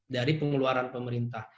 dari pengeluaran pemerintah